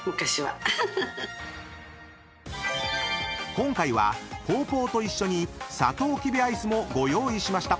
［今回はポーポーと一緒にさとうきびアイスもご用意しました］